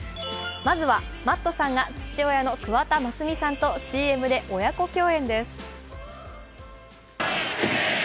まずはＭａｔｔさんが父親の桑田真澄さんとＣＭで親子共演です。